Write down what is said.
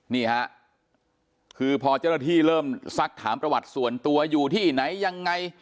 นี่ฮะคือพอเจ้าหน้าที่เริ่มซักถามประวัติส่วนตัวอยู่ที่ไหนยังไง